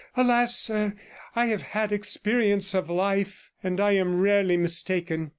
Alas! sir, I have had experience of life, and I am rarely mistaken.